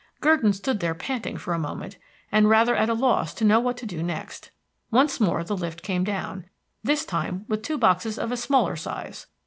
Gurdon stood there panting for a moment, and rather at a loss to know what to do next. Once more the lift came down, this time with two boxes of a smaller size.